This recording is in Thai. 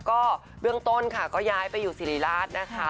ก็เบื้องต้นค่ะก็ย้ายไปอยู่สิริราชนะคะ